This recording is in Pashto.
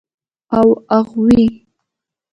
او اغوئ.